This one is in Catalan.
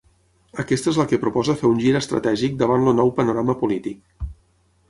Aquesta és la que proposa fer un gir estratègic davant el nou panorama polític.